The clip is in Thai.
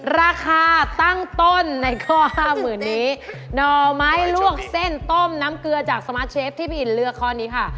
ราคาตั้งต้นในข้อ๕หมื่นนี้